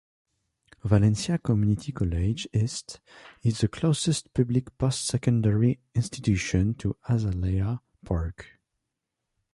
Valencia Community College East is the closest public post-secondary institution to Azalea Park.